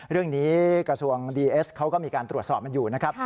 กระทรวงดีเอสเขาก็มีการตรวจสอบมันอยู่นะครับ